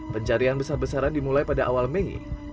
pencarian besar besaran dimulai pada awal mei